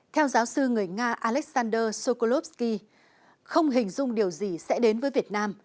theo giáo sư người nga alexanders sokolovsky không hình dung điều gì sẽ đến với việt nam